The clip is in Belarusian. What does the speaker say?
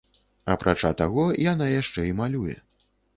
Апрача таго, яна яшчэ і малюе.